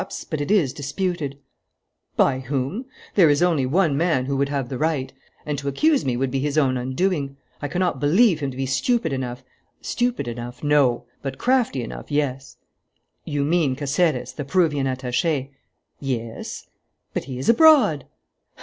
But it is disputed." "By whom? There is only one man who would have the right; and to accuse me would be his own undoing. I cannot believe him to be stupid enough " "Stupid enough, no; but crafty enough, yes." "You mean Caceres, the Peruvian attaché?" "Yes." "But he is abroad!"